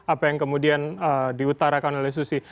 apa yang kemudian diutara kan oleh susi